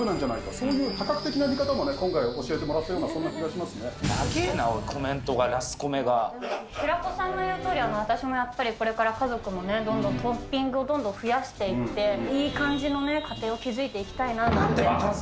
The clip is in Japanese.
そういう多角的な見方もね、今回教えてもらったような、なげえな、コメントが、平子さんの言うとおり、私もやっぱり、家族もね、どんどんトッピングをどんどん増やしていって、いい感じのね、家庭を築いていきたいなんて。